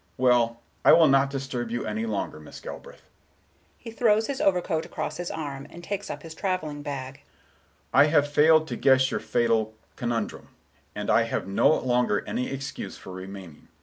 Well, I will not disturb you any longer, Miss Galbraith." He throws his overcoat across his arm, and takes up his travelling bag. "I have failed to guess your fatal—conundrum; and I have no longer any excuse for remaining.